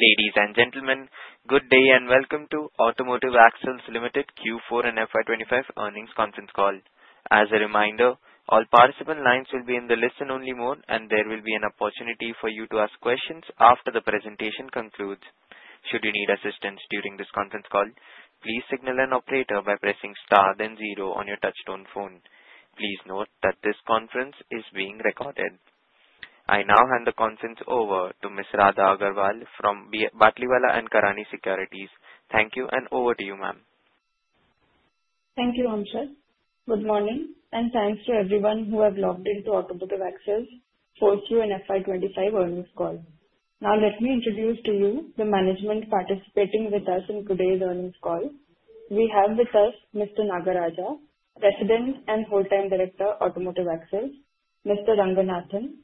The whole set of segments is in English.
Ladies and gentlemen, good day and welcome to Automotive Axles Limited Q4 and FY25 Earnings Conference Call. As a reminder, all participant lines will be in listen-only, and there will be an opportunity for you to ask questions after the presentation concludes. Should you need assistance during this conference call, please signal an operator by pressing star, then zero on your touchtone phone. Please note that this conference is being recorded. I now hand the conference over to Ms. Radha Agarwal from Batlivala & Karani Securities. Thank you, and over to you, ma'am. Thank you, Amshad. Good morning, and thanks to everyone who have logged into Automotive Axles for Q4 FY25 Earnings Call. Now, let me introduce to you the management participating with us in today's earnings call. We have with us Mr. Nagaraja, President and Whole-Time Director, Automotive Axles; Mr. Ranganathan,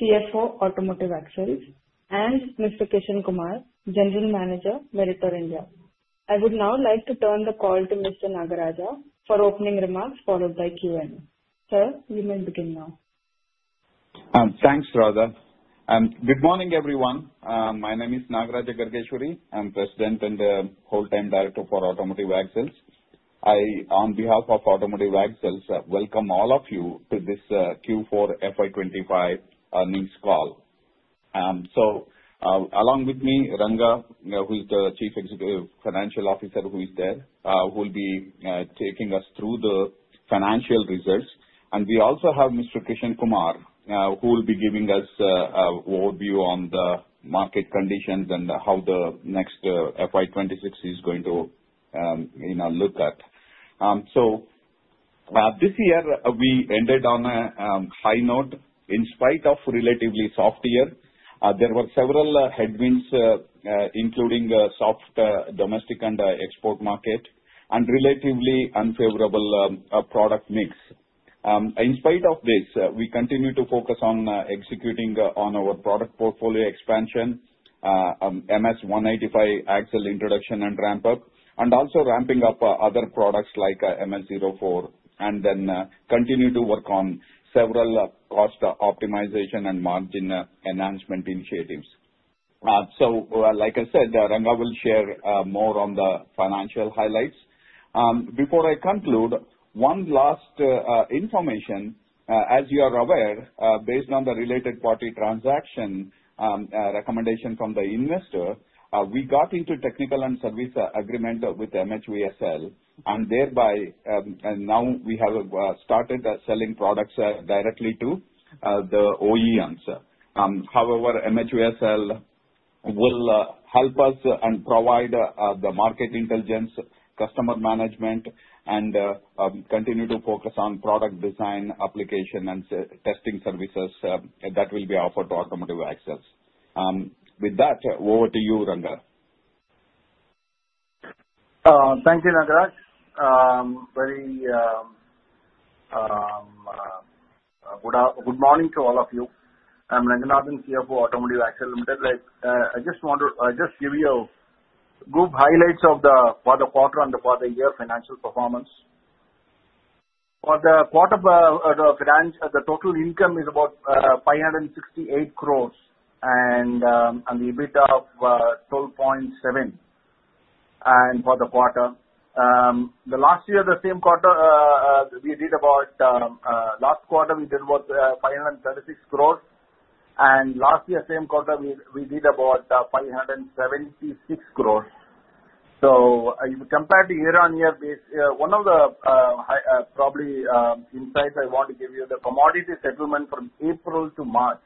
CFO, Automotive Axles, and Mr. Kishan Kumar, General Manager, Meritor India. I would now like to turn the call to Mr. Nagaraja for opening remarks followed by Q&A. Sir, you may begin now. Thanks, Radha. Good morning, everyone. My name is Nagaraja Gargeshwari. I'm President and Whole-Time Director for Automotive Axles. I, on behalf of Automotive Axles, welcome all of you to this Q4 FY25 earnings call. So, along with me, Ranga, who's the Chief Financial Officer who is there, who will be taking us through the financial results. And we also have Mr. Kishan Kumar, who will be giving us an overview on the market conditions and how the next FY26 is going to look at. So, this year, we ended on a high note in spite of a relatively soft year. There were several headwinds, including soft domestic and export market and relatively unfavorable product mix. In spite of this, we continue to focus on executing on our product portfolio expansion, MS185 Axle introduction and ramp-up, and also ramping up other products like MS04, and then continue to work on several cost optimization and margin enhancement initiatives. So, like I said, Ranga will share more on the financial highlights. Before I conclude, one last information. As you are aware, based on the related party transaction recommendation from the investor, we got into technical and service agreement with MHVSIL, and thereby, now we have started selling products directly to the OEMs. However, MHVSIL will help us and provide the market intelligence, customer management, and continue to focus on product design, application, and testing services that will be offered to Automotive Axles. With that, over to you, Ranga. Thank you, Nagaraja. Very good morning to all of you. I'm Ranganathan, CFO, Automotive Axles Limited. I just want to just give you good highlights of the quarter and the quarter-year financial performance. For the quarter, the total income is about 568 crores and EBITDA of 12.7 for the quarter. Last quarter, we did about 536 crores, and last year, same quarter, we did about 576 crores. So, if you compare the year-on-year base, one of the probably insights I want to give you, the commodity settlement from April to March,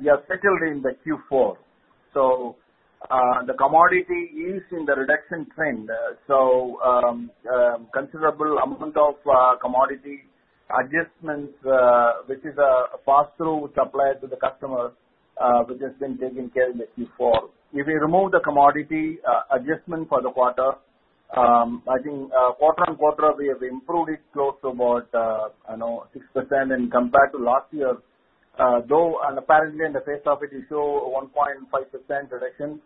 we are settled in the Q4. So, the commodity is in the reduction trend. So, considerable amount of commodity adjustments, which is a pass-through supplier to the customer, which has been taken care of in the Q4. If we remove the commodity adjustment for the quarter, I think quarter on quarter, we have improved it close to about 6% in compared to last year. Though, apparently, in the face of it, you show 1.5% reduction.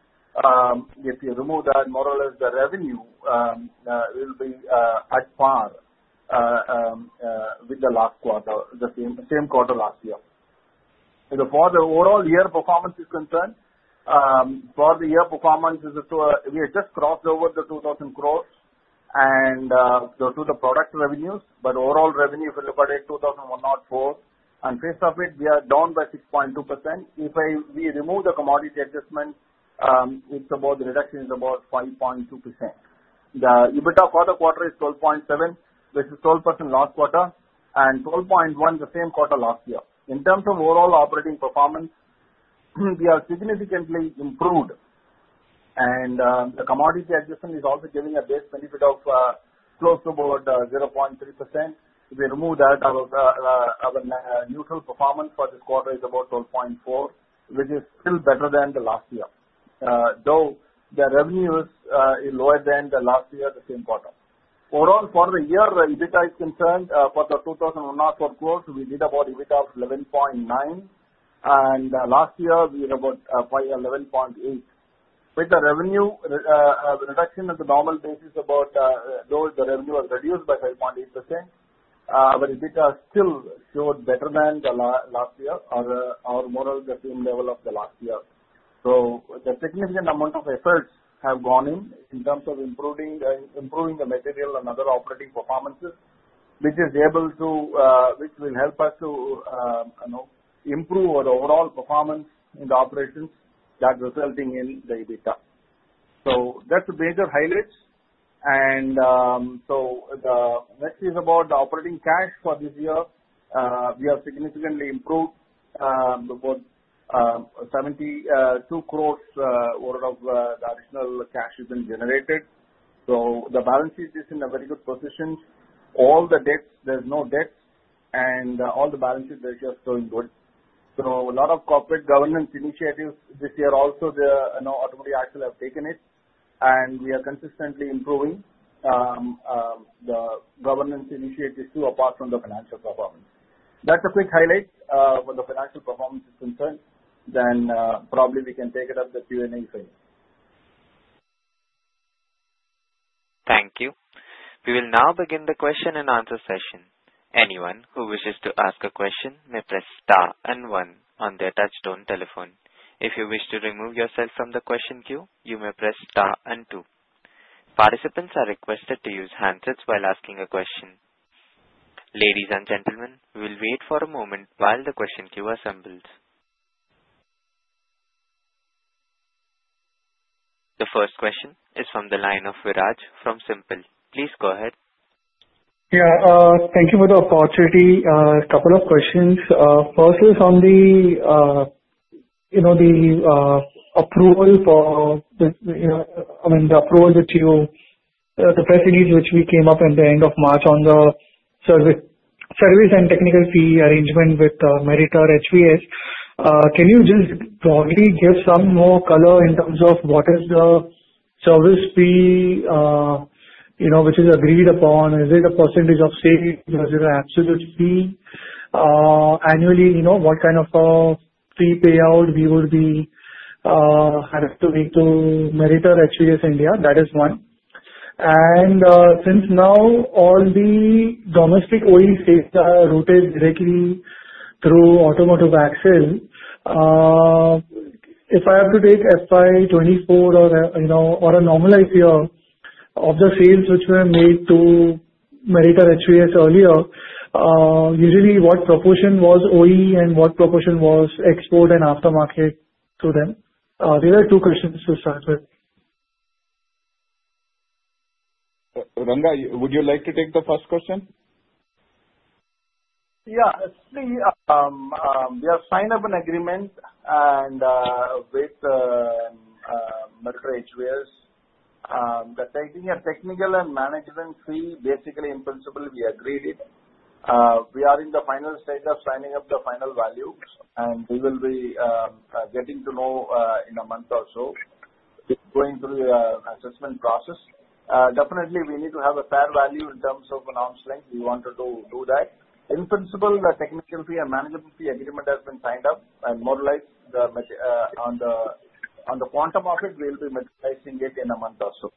If you remove that, more or less, the revenue will be at par with the last quarter, the same quarter last year. For the overall year performance is concerned, for the year performance, we have just crossed over the 2,000 crores to the product revenues, but overall revenue, if you look at it, 2,104 crores. In face of it, we are down by 6.2%. If we remove the commodity adjustment, it's about the reduction is about 5.2%. The EBITDA for the quarter is 12.7%, which is 12% last quarter, and 12.1%, the same quarter last year. In terms of overall operating performance, we have significantly improved, and the commodity adjustment is also giving a base benefit of close to about 0.3%. If we remove that, our neutral performance for this quarter is about 12.4, which is still better than the last year. Though the revenue is lower than the last year, the same quarter. Overall, for the year EBITDA is concerned, for the INR 2,104 crores, we did about EBITDA of 11.9, and last year, we were about 11.8. With the revenue reduction at the normal basis, though the revenue was reduced by 5.8%, but EBITDA still showed better than last year, or more or less the same level of the last year. The significant amount of efforts have gone in in terms of improving the material and other operating performances, which is able to, which will help us to improve our overall performance in the operations that are resulting in the EBITDA. That's the major highlights. The next is about the operating cash for this year. We have significantly improved about 72 crores worth of the additional cash has been generated. The balance sheet is in a very good position. All the debts, there's no debt, and all the balance sheet is just going good. A lot of corporate governance initiatives this year also, Automotive Axles have taken it, and we are consistently improving the governance initiatives too, apart from the financial performance. That's a quick highlight for the financial performance is concerned. Then, probably, we can take it up the Q&A phase. Thank you. We will now begin the question and answer session. Anyone who wishes to ask a question may press star and one on their touch-tone telephone. If you wish to remove yourself from the question queue, you may press star and two. Participants are requested to use handsets while asking a question. Ladies and gentlemen, we will wait for a moment while the question queue assembles. The first question is from the line of Viraj from SiMPL. Please go ahead. Yeah. Thank you for the opportunity. A couple of questions. First is on the approval for, I mean, the approval that you the press release which we came up at the end of March on the service and technical fee arrangement with Meritor HVS. Can you just broadly give some more color in terms of what is the service fee which is agreed upon? Is it a percentage of sale? Is it an absolute fee? Annually, what kind of a fee payout we would be having to make to Meritor HVS India? That is one. And since now all the domestic OEM sales are routed directly through Automotive Axles, if I have to take FY24 or a normalized year of the sales which were made to Meritor HVS earlier, usually what proportion was OE and what proportion was export and aftermarket to them? These are two questions to start with. Ranga, would you like to take the first question? Yeah. See, we have signed up an agreement with Meritor HVS. They're taking a technical and management fee basically impossible. We agreed it. We are in the final stage of signing up the fair value, and we will be getting to know in a month or so. It's going through the assessment process. Definitely, we need to have a fair value in terms of announcement. We want to do that. In principle, the technical fee and management fee agreement has been signed up, and more or less, on the quantum of it, we'll be materializing it in a month or so.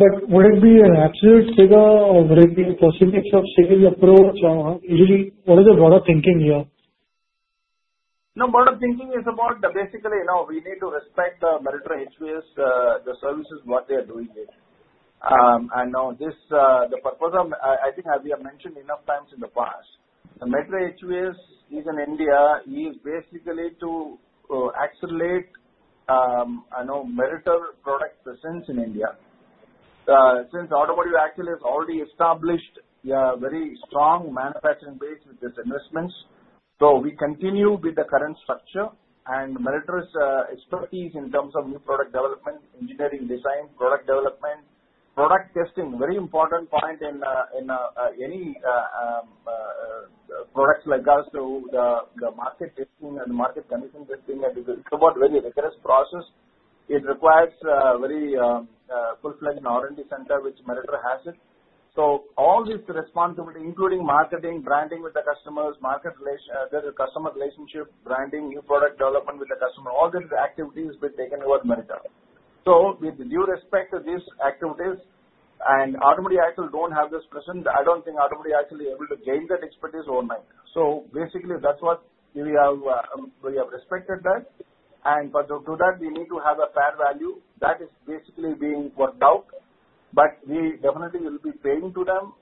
But would it be an absolute figure, or would it be a percentage of sales approach? Usually, what is the broader thinking here? No, broader thinking is about basically, we need to respect Meritor HVS, the services what they are doing here. And the purpose, I think, as we have mentioned enough times in the past, Meritor HVS in India is basically to accelerate Meritor product presence in India. Since Automotive Axles has already established a very strong manufacturing base with its investments, so we continue with the current structure. And Meritor's expertise in terms of new product development, engineering design, product development, product testing, very important point in any products like us, the market testing and the market condition testing, it's about a very rigorous process. It requires a very fulfilling R&D center which Meritor has it. So all this responsibility, including marketing, branding with the customers, customer relationship, branding, new product development with the customer, all these activities have been taken over at Meritor. So with due respect to these activities, and Automotive Axles don't have this presence, I don't think Automotive Axles is able to gain that expertise overnight. So basically, that's what we have respected that. And to do that, we need to have a fair value. That is basically being worked out. But we definitely will be paying to them.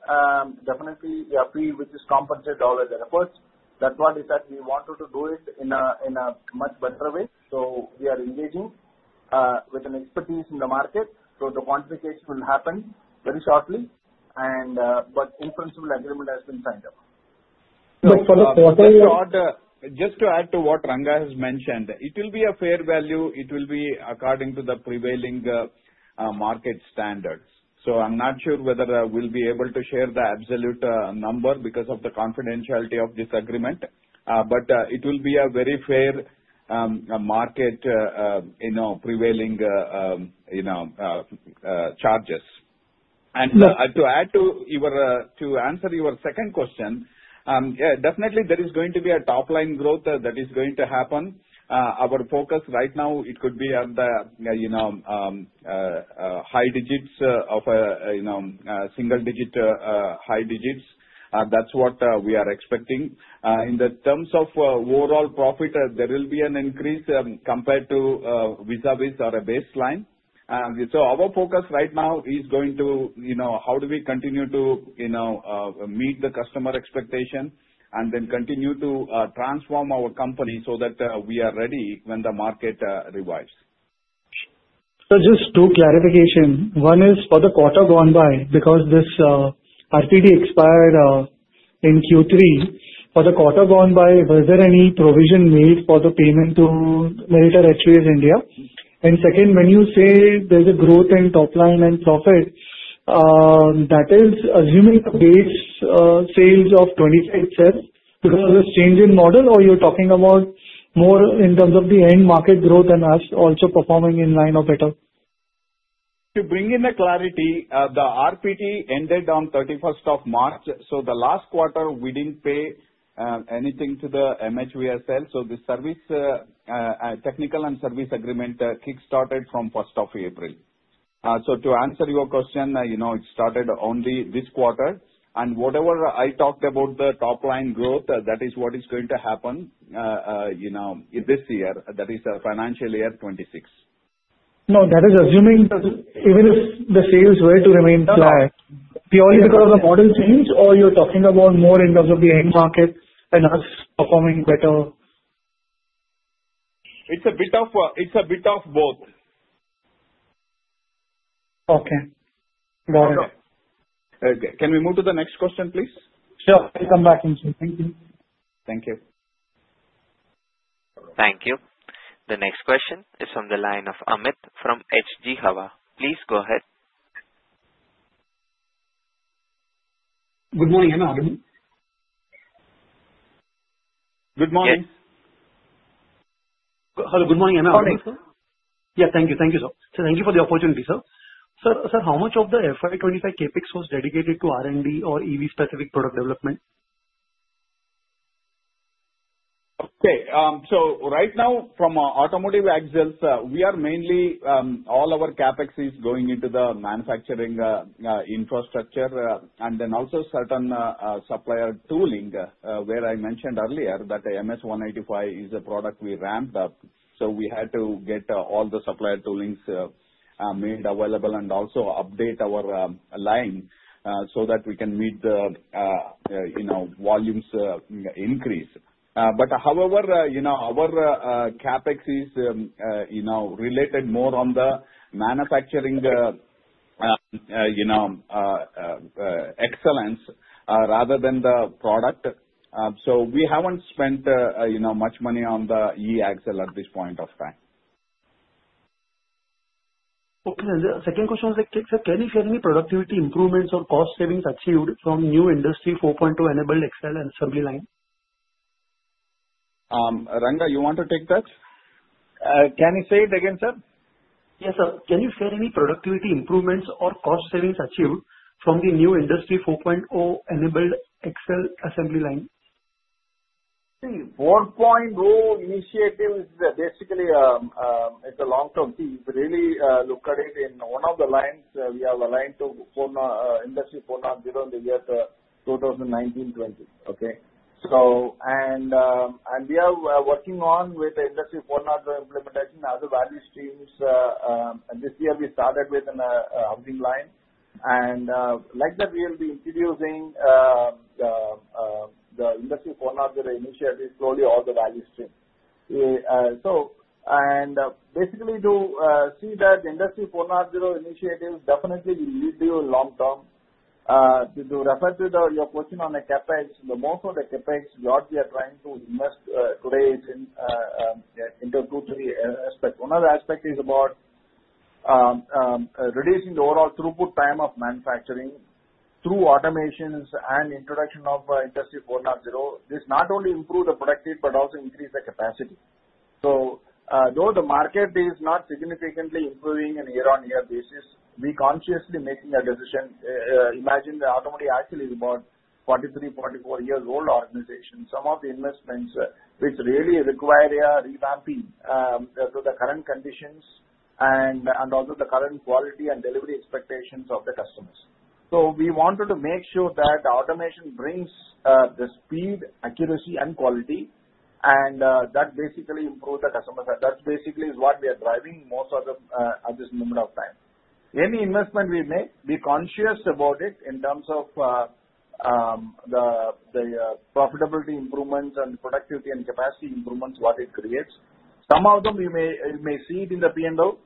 Definitely, we are free with this compensated dollars and efforts. That's why we said we wanted to do it in a much better way. So we are engaging with an expertise in the market. So the quantification will happen very shortly. But in principle, the agreement has been signed up. Just to add to what Ranga has mentioned, it will be a fair value. It will be according to the prevailing market standards. So I'm not sure whether we'll be able to share the absolute number because of the confidentiality of this agreement, but it will be a very fair market prevailing charges. And to add to your answer your second question, definitely, there is going to be a top-line growth that is going to happen. Our focus right now, it could be at the high digits of single-digit high digits. That's what we are expecting. In terms of overall profit, there will be an increase compared to vis-à-vis our baseline. So our focus right now is going to how do we continue to meet the customer expectation and then continue to transform our company so that we are ready when the market rewires. So just two clarifications. One is for the quarter gone by, because this RPD expired in Q3, for the quarter gone by, was there any provision made for the payment to Meritor HVS India? And second, when you say there's a growth in top-line and profit, that is assuming the base sales of 2023 itself, because of this change in model, or you're talking about more in terms of the end market growth and us also performing in line or better? To bring in the clarity, the RPD ended on 31st of March. So the last quarter, we didn't pay anything to the MHVSIL. So the technical and service agreement kickstarted from 1st of April. So to answer your question, it started only this quarter. And whatever I talked about, the top-line growth, that is what is going to happen in this year. That is financial year 2026. No, that is assuming even if the sales were to remain flat, purely because of the model change, or you're talking about more in terms of the end market and us performing better? It's a bit of both. Okay. Got it. Okay. Can we move to the next question, please? Sure. I'll come back in. Thank you. Thank you. Thank you. The next question is from the line of Amit from HG Hawa. Please go ahead. Good morning, am I on. Good morning. Yes. Hello. Good morning, am I on. All right. Thank you. Thank you, sir. So thank you for the opportunity, sir. Sir, how much of the FY25 CapEx was dedicated to R&D or EV-specific product development? Okay. So right now, from Automotive Axles, we are mainly all our CapEx is going into the manufacturing infrastructure and then also certain supplier tooling where I mentioned earlier that the MS185 is a product we ramped up. So we had to get all the supplier tooling made available and also update our line so that we can meet the volumes increase. But however, our CapEx is related more on the manufacturing excellence rather than the product. So we haven't spent much money on the e-Axle at this point of time. The second question was, can you share any productivity improvements or cost savings achieved from new Industry 4.0 enabled axle assembly line? Ranga, you want to take that? Can you say it again, sir? Yes, sir. Can you share any productivity improvements or cost savings achieved from the new Industry 4.0 enabled axle assembly line? See, 4.0 initiative is basically a long-term thing. If we really look at it in one of the lines, we have aligned to Industry 4.0 in the year 2019-2020. Okay? And we are working on with Industry 4.0 implementation, other value streams. This year, we started with an update line. And like that, we'll be introducing the Industry 4.0 initiative, slowly all the value streams. And basically, to see that Industry 4.0 initiative definitely will lead you long-term. To refer to your question on the CapEx, the most of the CapEx what we are trying to invest today is into two, three aspects. One of the aspects is about reducing the overall throughput time of manufacturing through automations and introduction of Industry 4.0. This not only improves the productivity but also increases the capacity. So though the market is not significantly improving on a year-on-year basis, we consciously make a decision. Imagine the Automotive Axles is about 43, 44 years old organization. Some of the investments which really require a revamping to the current conditions and also the current quality and delivery expectations of the customers. So we wanted to make sure that automation brings the speed, accuracy, and quality, and that basically improves the customers. That basically is what we are driving most of this number of times. Any investment we make, we're conscious about it in terms of the profitability improvements and productivity and capacity improvements what it creates. Some of them, you may see it in the P&L.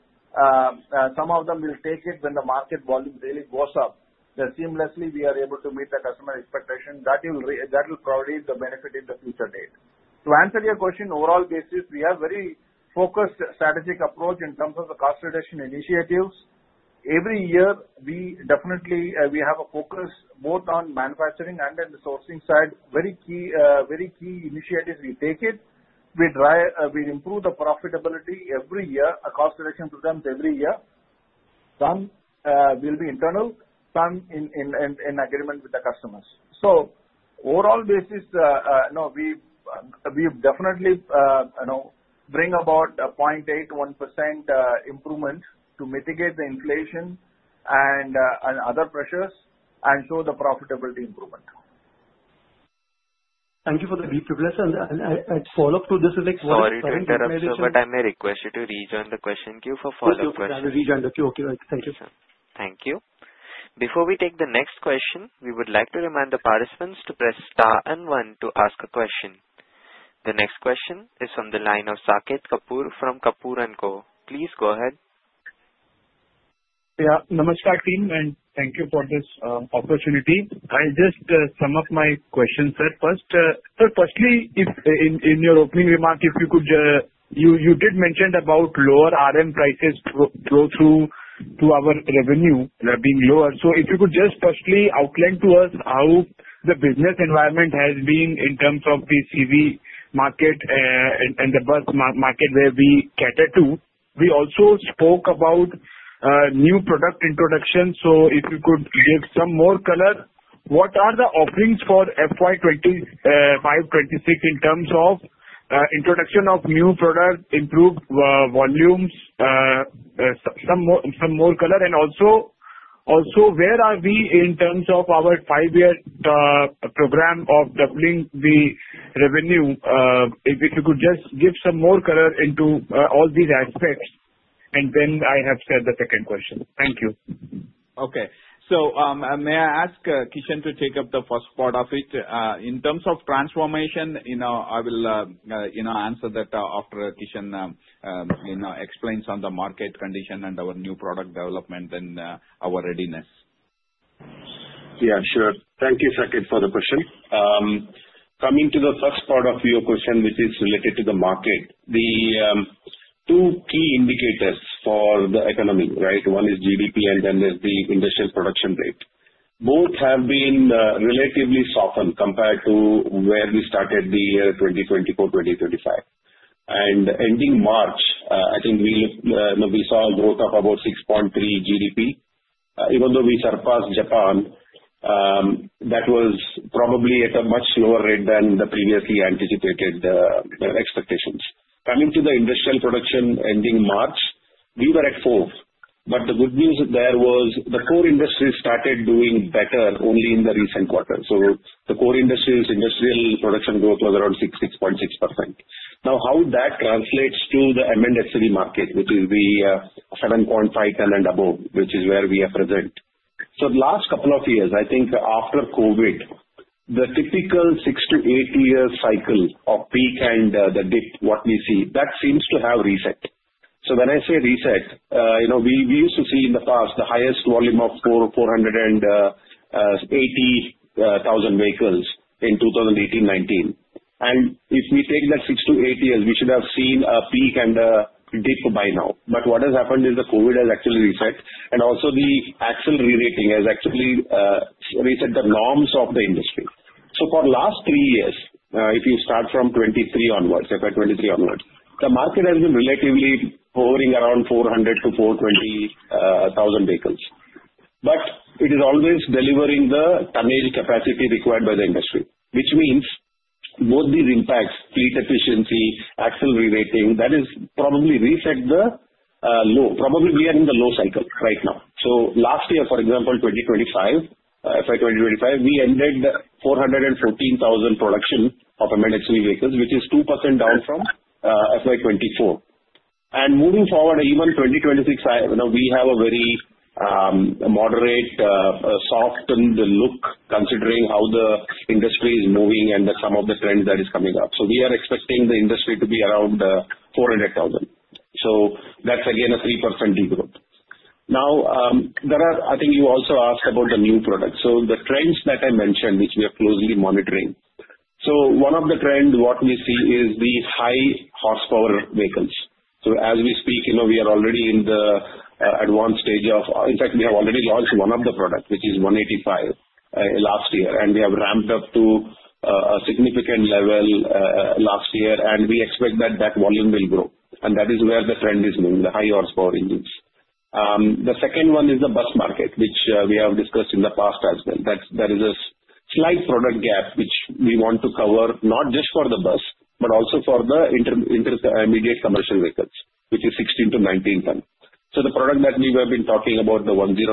Some of them will take it when the market volume really goes up. Seamlessly, we are able to meet the customer expectation. That will provide the benefit in the future date. To answer your question, overall basis, we have a very focused strategic approach in terms of the cost reduction initiatives. Every year, we definitely have a focus both on manufacturing and on the sourcing side. Very key initiatives we take it. We improve the profitability every year. A cost reduction program every year. Some will be internal, some in agreement with the customers. So overall basis, we definitely bring about a 0.8% to 1% improvement to mitigate the inflation and other pressures and show the profitability improvement. Thank you for the brief reflection. And I follow up to this next question. Sorry, to interrupt, sir, but I may request you to rejoin the question queue for follow-up questions. Okay. I'll rejoin the queue. Okay. Thank you. Thank you. Before we take the next question, we would like to remind the participants to press star and one to ask a question. The next question is from the line of Saket Kapoor from Kapoor & Co, please go ahead. Yeah. Namaskar team and thank you for this opportunity. I'll just sum up my questions. Firstly, in your opening remark, if you could, you did mention about lower RM prices though our revenue being lower. So if you could just briefly outline to us how the business environment has been in terms of the ICV market and the bus market where we cater to. We also spoke about new product introduction. So if you could give some more color, what are the offerings for FY25, FY26 in terms of introduction of new product, improved volumes, some more color, and also where are we in terms of our 5-year program of doubling the revenue? If you could just give some more color into all these aspects, and then I have a second question. Thank you. Okay. So may I ask Kishan to take up the first part of it? In terms of transformation, I will answer that after Kishan explains on the market condition and our new product development and our readiness. Yeah, sure. Thank you, Saket, for the question. Coming to the first part of your question, which is related to the market, the two key indicators for the economy, right? One is GDP, and then there's the industrial production rate. Both have been relatively softened compared to where we started the year 2024, 2025, and ending March, I think we saw a growth of about 6.3 GDP. Even though we surpassed Japan, that was probably at a much lower rate than the previously anticipated expectations. Coming to the industrial production ending March, we were at 4. But the good news there was the core industries started doing better only in the recent quarter, so the core industries, industrial production growth was around 6.6%. Now, how that translates to the M&HCV market, which is the 7.5 ton and above, which is where we are present. So the last couple of years, I think after COVID, the typical 6 to 8 year cycle of peak and the dip, what we see, that seems to have reset. So when I say reset, we used to see in the past the highest volume of 480,000 vehicles in 2018-2019. And if we take that 6 to 8 year, we should have seen a peak and a dip by now. But what has happened is the COVID has actually reset, and also the axle rerating has actually reset the norms of the industry. So for the last 3 years, if you start from 2023 onwards, FY23 onwards, the market has been relatively hovering around 400,000-420,000 vehicles. But it is always delivering the tonnage capacity required by the industry, which means both these impacts, fleet efficiency, axle rerating, that has probably reset the low. Probably we are in the low cycle right now, so last year, for example, 2025, FY2025, we ended 414,000 production of M&HCV vehicles, which is 2% down from FY24, and moving forward, even 2026, we have a very moderate, softened look considering how the industry is moving and some of the trends that are coming up, so we are expecting the industry to be around 400,000. So that's again a 3% growth. Now, I think you also asked about the new product, so the trends that I mentioned, which we are closely monitoring, so one of the trends what we see is the high horsepower vehicles. So as we speak, we are already in the advanced stage of, in fact, we have already launched one of the products, which is 185 last year, and we have ramped up to a significant level last year, and we expect that that volume will grow. And that is where the trend is moving, the high horsepower engines. The second one is the bus market, which we have discussed in the past as well. That is a slight product gap, which we want to cover not just for the bus, but also for the intermediate commercial vehicles, which is 16 to 19 ton. So the product that we have been talking about, the 109,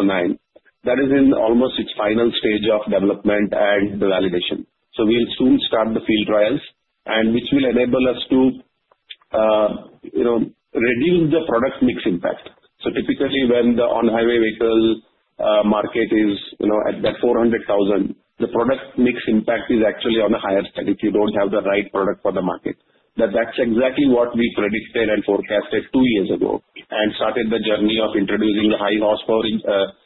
that is in almost its final stage of development and the validation. So we'll soon start the field trials, which will enable us to reduce the product mix impact. So typically, when the on-highway vehicle market is at that 400,000, the product mix impact is actually on a higher step if you don't have the right product for the market. That's exactly what we predicted and forecasted 2 years ago and started the journey of introducing the high horsepower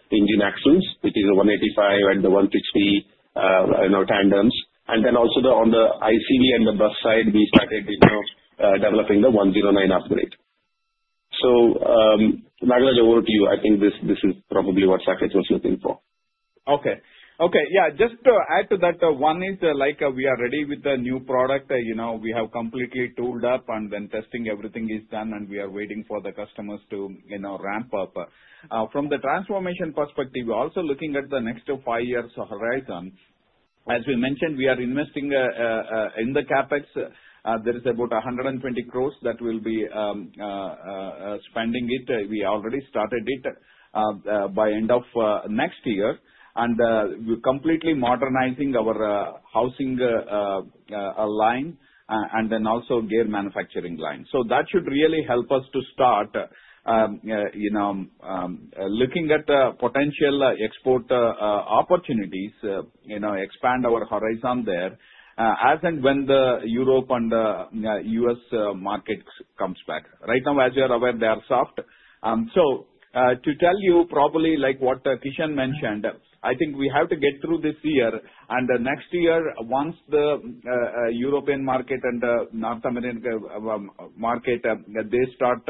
engine axles, which is the 185 and the 160 tandems. And then also on the ICV and the bus side, we started developing the 109 upgrade. So Nagaraja, over to you. I think this is probably what Saket was looking for. Okay. Yeah. Just to add to that, one is we are ready with the new product. We have completely tooled up, and then testing everything is done, and we are waiting for the customers to ramp up. From the transformation perspective, we're also looking at the next 5 year horizon. As we mentioned, we are investing in the CapEx. There is about 120 crores that we'll be spending it. We already started it by end of next year. We're completely modernizing our housing line and then also gear manufacturing line. So that should really help us to start looking at potential export opportunities, expand our horizon there as and when the Europe and the U.S. market comes back. Right now, as you're aware, they are soft. So to tell you probably what Kishan mentioned, I think we have to get through this year. And next year, once the European market and North American market, they start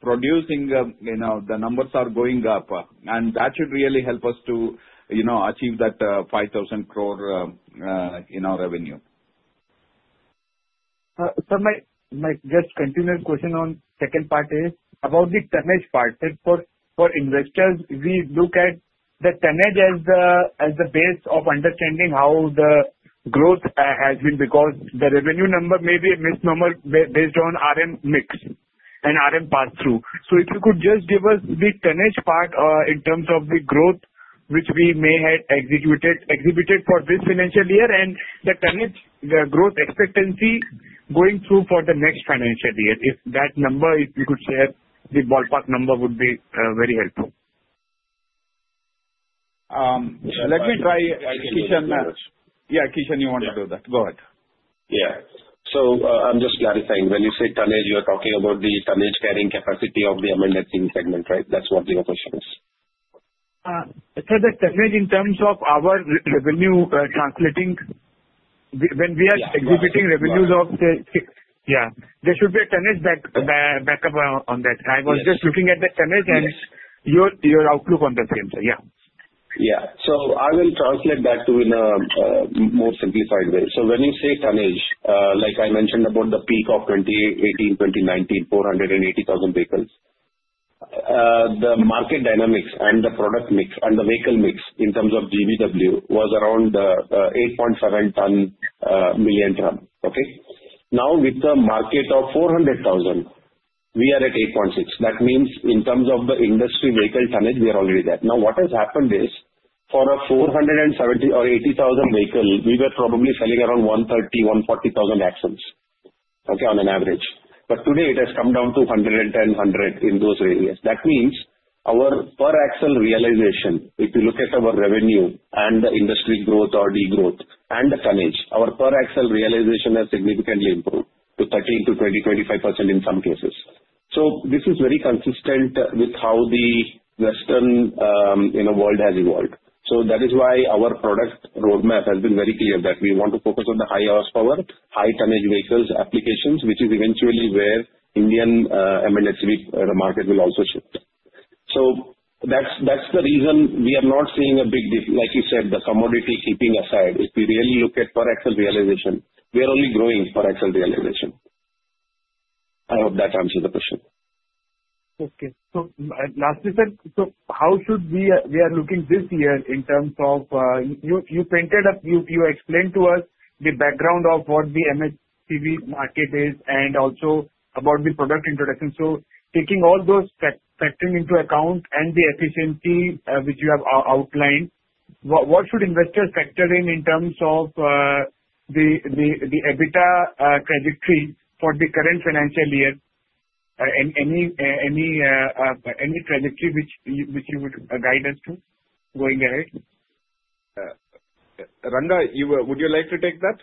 producing, the numbers are going up. And that should really help us to achieve that 5,000 crore revenue. My just continued question on second part is about the tonnage part. For investors, we look at the tonnage as the base of understanding how the growth has been because the revenue number may be a misnomer based on RM mix and RM pass-through. If you could just give us the tonnage part in terms of the growth, which we may have exhibited for this financial year and the tonnage growth expectancy going through for the next financial year. If that number, if you could share the ballpark number, would be very helpful. Let me try. Kishan. Yeah, Kishan, you want to do that. Go ahead. Yeah. So I'm just clarifying. When you say tonnage, you're talking about the tonnage carrying capacity of the M&HCV segment, right? That's what your question is. So the tonnage in terms of our revenue translating, when we are exhibiting revenues of, there should be a tonnage backup on that. I was just looking at the tonnage and your outlook on the same. Yeah. So I will translate that to in a more simplified way. So when you say tonnage, like I mentioned about the peak of 2018-2019, 480,000 vehicles, the market dynamics and the product mix and the vehicle mix in terms of GVW was around 8.7 ton million drum. Okay? Now, with the market of 400,000, we are at 8.6. That means in terms of the industry vehicle tonnage, we are already there. Now, what has happened is for a 470,000 or 80,000 vehicle, we were probably selling around 130,000-140,000 axles, okay, on an average. But today, it has come down to 110,000-100,000 in those areas. That means our per axle realization, if you look at our revenue and the industry growth or degrowth and the tonnage, our per axle realization has significantly improved to 13%-20%, 25% in some cases. So this is very consistent with how the Western world has evolved. So that is why our product roadmap has been very clear that we want to focus on the high horsepower, high tonnage vehicles applications, which is eventually where Indian M&HCV market will also shift. So that's the reason we are not seeing a big dip, like you said, the commodity keeping aside. If we really look at per axle realization, we are only growing per axle realization. I hope that answers the question. Okay. Lastly, sir, how should we be looking this year in terms of your outlook? You explained to us the background of what the M&HCV market is and also about the product introduction. So taking all those factors into account and the efficiency which you have outlined, what should investors factor in in terms of the EBITDA trajectory for the current financial year and any trajectory which you would guide us to going ahead? Ranga, would you like to take that?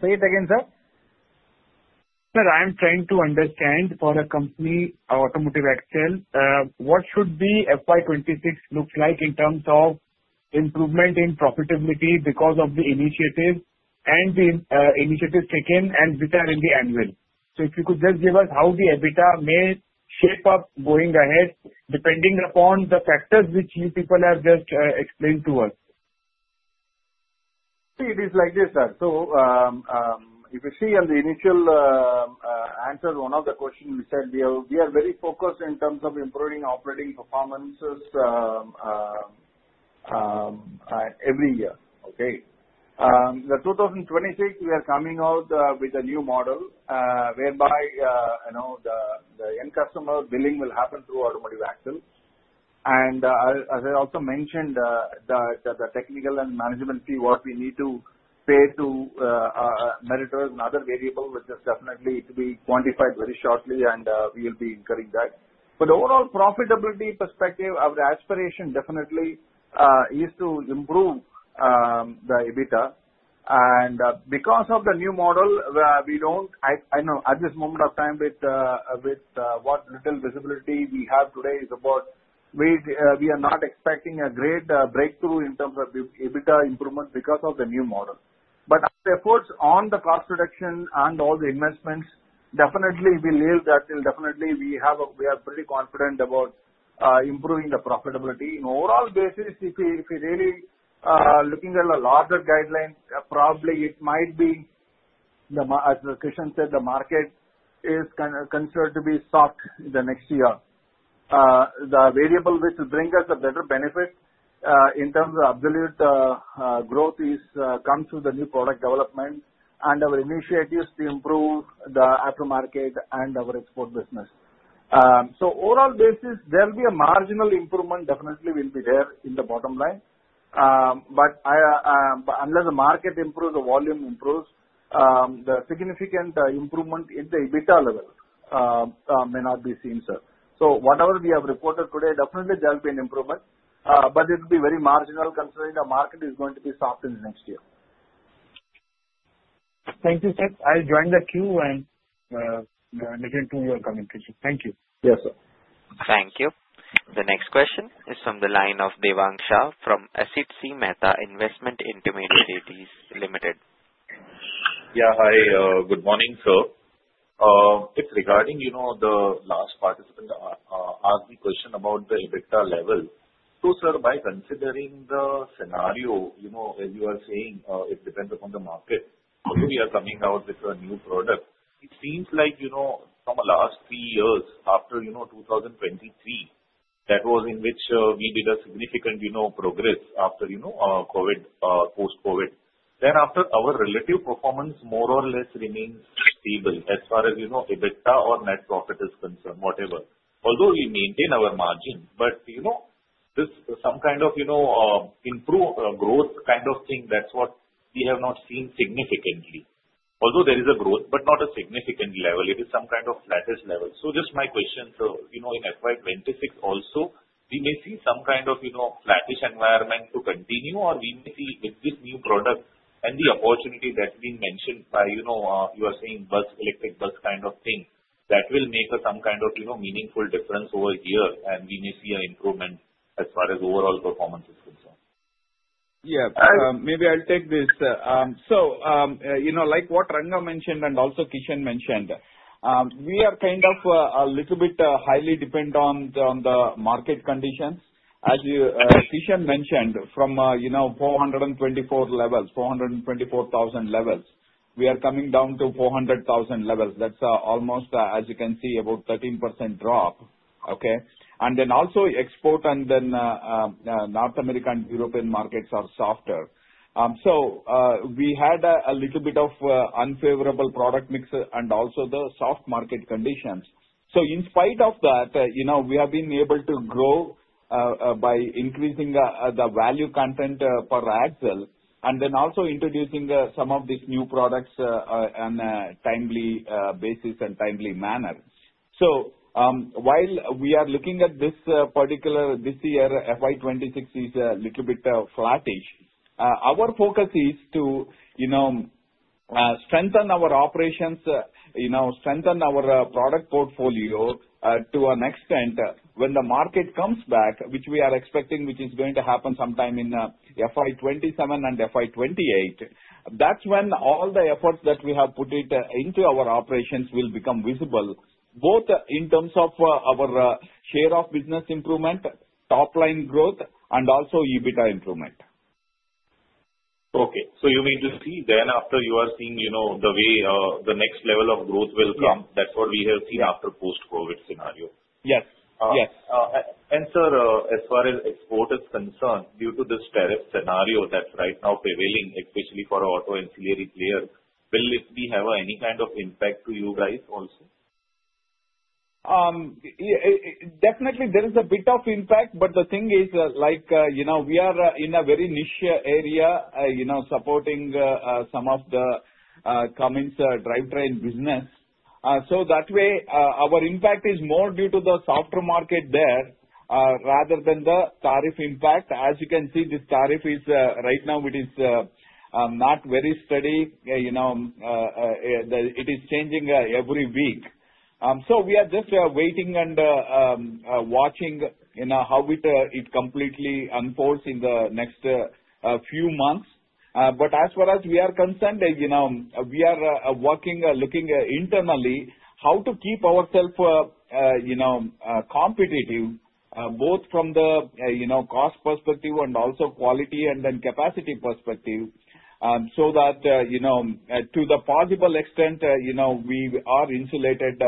Say it again, sir. Sir, I'm trying to understand for a company, Automotive Axles, what should the FY26 look like in terms of improvement in profitability because of the initiative and the initiative taken and which are in the annual? So if you could just give us how the EBITDA may shape up going ahead depending upon the factors which you people have just explained to us. It is like this, sir. So if you see on the initial answer, one of the questions we said, we are very focused in terms of improving operating performances every year. Okay? The 2026, we are coming out with a new model whereby the end customer billing will happen through Automotive Axles. And as I also mentioned, the technical and management fee, what we need to pay to Meritor and other variables is definitely to be quantified very shortly, and we will be incurring that. But overall profitability perspective, our aspiration definitely is to improve the EBITDA. And because of the new model, we don't I know at this moment of time with what little visibility we have today is about we are not expecting a great breakthrough in terms of EBITDA improvement because of the new model. But our efforts on the cost reduction and all the investments, definitely we'll say that we'll definitely we are pretty confident about improving the profitability. On an overall basis, if we're really looking at a larger guideline, probably it might be, as Kishan said, the market is considered to be soft in the next year. The variable which will bring us a better benefit in terms of absolute growth comes through the new product development and our initiatives to improve the aftermarket and our export business. So overall basis, there'll be a marginal improvement definitely will be there in the bottom line. But unless the market improves, the volume improves, the significant improvement in the EBITDA level may not be seen, sir. So whatever we have reported today, definitely there'll be an improvement. But it will be very marginal considering the market is going to be soft in the next year. Thank you, sir. I'll join the queue and listen to your commentary. Thank you. Yes, sir. Thank you. The next question is from the line of Devang Shah from Asit C Mehta Investment Intermediaries Ltd. Yeah. Hi. Good morning, sir. It's regarding the last participant asked me a question about the EBITDA level. So, sir, by considering the scenario, as you are saying, it depends upon the market. Although we are coming out with a new product, it seems like from the last three years after 2023, that was in which we did a significant progress after COVID, post-COVID. Then after, our relative performance more or less remains stable as far as EBITDA or net profit is concerned, whatever. Although we maintain our margin, but some kind of growth kind of thing, that's what we have not seen significantly. Although there is a growth, but not a significant level. It is some kind of flattish level. So just my question, sir, in FY26 also, we may see some kind of flattish environment to continue, or we may see with this new product and the opportunity that's been mentioned by you are saying bus electric bus kind of thing, that will make some kind of meaningful difference over here, and we may see an improvement as far as overall performance is concerned. Yeah. Maybe I'll take this. So like what Ranga mentioned and also Kishan mentioned, we are kind of a little bit highly dependent on the market conditions. As Kishan mentioned, from 424,000 levels, we are coming down to 400,000 levels. That's almost, as you can see, about 13% drop. Okay? And then also export and then North American and European markets are softer. So we had a little bit of unfavorable product mix and also the soft market conditions. So in spite of that, we have been able to grow by increasing the value content per axle and then also introducing some of these new products on a timely basis and timely manner. So while we are looking at this particular this year, FY26 is a little bit flattish. Our focus is to strengthen our operations, strengthen our product portfolio to an extent when the market comes back, which we are expecting, which is going to happen sometime in FY27 and FY28, that's when all the efforts that we have put into our operations will become visible, both in terms of our share of business improvement, top-line growth, and also EBITDA improvement. Okay. So you mean to see then after you are seeing the way the next level of growth will come, that's what we have seen after post-COVID scenario? Yes. Yes. And sir, as far as export is concerned, due to this tariff scenario that's right now prevailing, especially for auto ancillary players, will it be have any kind of impact to you guys also? Definitely, there is a bit of impact, but the thing is we are in a very niche area supporting some of the Cummins drivetrain business. So that way, our impact is more due to the softer market there rather than the tariff impact. As you can see, this tariff is right now, it is not very steady. It is changing every week. So we are just waiting and watching how it completely unfolds in the next few months. But as far as we are concerned, we are working, looking internally how to keep ourselves competitive, both from the cost perspective and also quality and then capacity perspective so that to the possible extent, we are insulated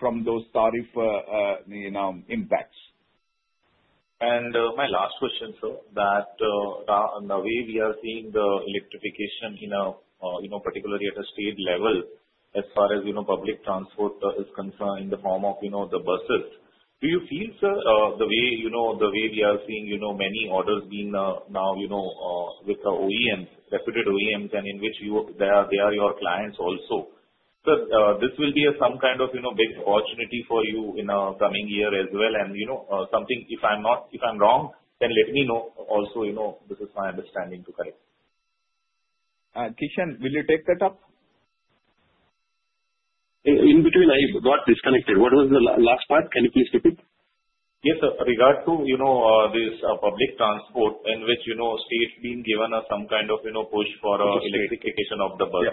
from those tariff impacts. And my last question, sir, that the way we are seeing the electrification, particularly at a state level, as far as public transport is concerned in the form of the buses, do you feel, sir, the way we are seeing many orders being now with the OEMs, reputed OEMs, and in which they are your clients also, that this will be some kind of big opportunity for you in the coming year as well? And something, if I'm wrong, then let me know. Also, this is my understanding to correct. Kishan, will you take that up? In between, I got disconnected. What was the last part? Can you please repeat? Yes, sir. Regarding this public transport in which states being given some kind of push for electrification of the bus.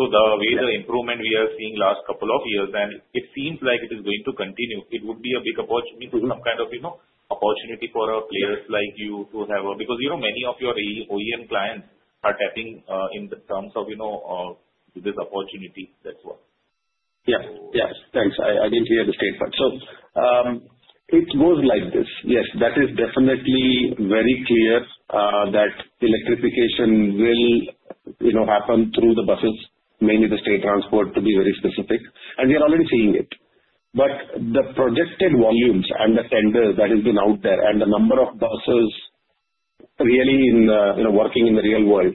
So the way the improvement we are seeing last couple of years, and it seems like it is going to continue. It would be a big opportunity, some kind of opportunity for our players like you to have because many of your OEM clients are tapping into this opportunity as well. Yes. Yes. Thanks. I didn't hear the statement. So it goes like this. Yes, that is definitely very clear that electrification will happen through the buses, mainly the state transport, to be very specific. And we are already seeing it. But the projected volumes and the tenders that have been out there and the number of buses really working in the real world,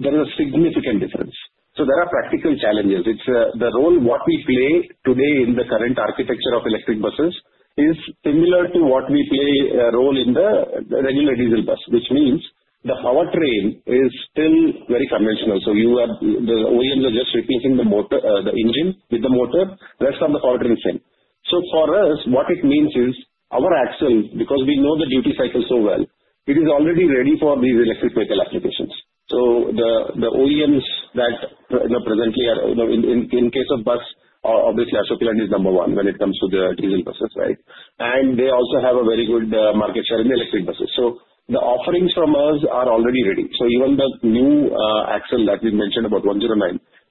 there is a significant difference. So there are practical challenges. The role what we play today in the current architecture of electric buses is similar to what we play a role in the regular diesel bus, which means the powertrain is still very conventional. So the OEMs are just replacing the engine with the motor. That's how the powertrain is set up. So for us, what it means is our axle, because we know the duty cycle so well, it is already ready for these electric vehicle applications. So the OEMs that presently are, in case of bus, obviously Ashok Leyland is number one when it comes to the diesel buses, right? And they also have a very good market share in the electric buses. So the offerings from us are already ready. So even the new axle that we mentioned about 109,